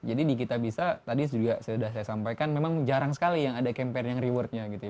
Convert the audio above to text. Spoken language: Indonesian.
jadi di kitabisa tadi juga sudah saya sampaikan memang jarang sekali yang ada campaign yang rewardnya gitu ya